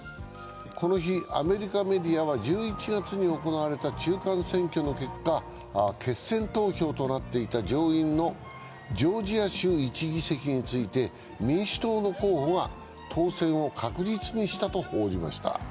この日、アメリカメディアは１１月に行われた中間選挙の結果、決選投票となっていた上院のジョージア州１議席について民主党の候補が当選を確実にしたと報じました。